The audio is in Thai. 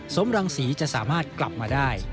สมรังศรีจะสามารถกลับมาได้